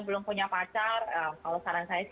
belum punya pacar kalau saran saya